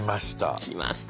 きました。